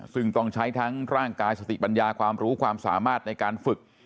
ซึ่งต้องใช้ทั้งร่างกายสติปัญญาความรู้ความสามารถในการฝึก